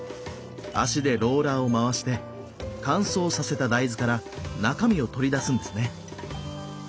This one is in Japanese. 足でローラーを回して乾燥させた大豆から中身を取り出すんですね。